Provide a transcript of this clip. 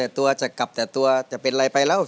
ตัวจะกลับแต่ตัวจะเป็นอะไรไปแล้ว